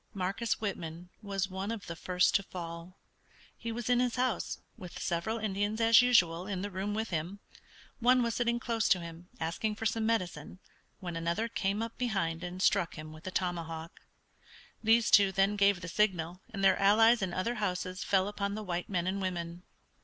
Marcus Whitman was one of the first to fall. He was in his house, with several Indians as usual in the room with him. One was sitting close to him, asking for some medicine, when another came up behind and struck him with a tomahawk. These two then gave the signal, and their allies in other houses fell upon the white men and women.